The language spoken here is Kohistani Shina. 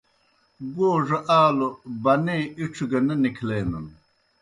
گوڙہ آلوْ بنے اُڇھ گہ نہ نکھلینَن